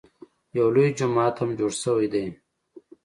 یو لوی جومات هم جوړ شوی دی.